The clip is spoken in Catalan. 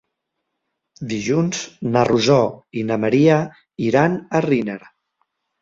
Dilluns na Rosó i na Maria iran a Riner.